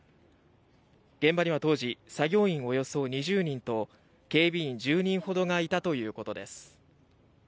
現場には当時作業員およそ２０人と警備員１０人ほどがいたということです。